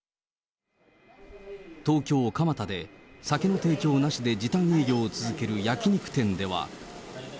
東京・蒲田で酒の提供なしで時短営業を続ける焼き肉店では。